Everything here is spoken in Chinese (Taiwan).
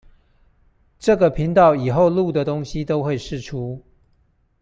這個頻道以後錄的東西都會釋出